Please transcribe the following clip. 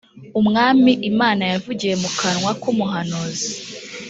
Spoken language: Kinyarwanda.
umwami imana yavugiye mu kanwa k’ umuhanuzi